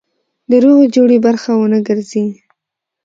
د روغې جوړې برخه ونه ګرځي.